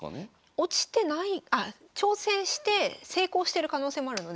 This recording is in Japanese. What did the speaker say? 落ちてないあ挑戦して成功してる可能性もあるので。